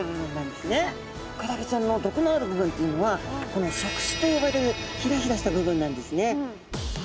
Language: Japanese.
クラゲちゃんの毒のある部分というのはこの触手と呼ばれるヒラヒラした部分なんですね。